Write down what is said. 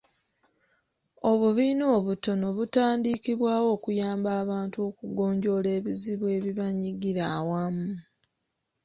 Obubiina obutono butandikibwawo okuyamba abantu okugonjoola ebizibu ebibanyigira awamu.